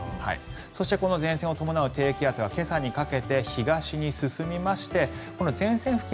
そして前線を伴う低気圧が今朝にかけて東に進みましてこの前線付近